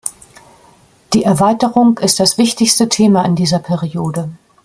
Die Erweiterung ist das wichtigste Thema in dieser Periode.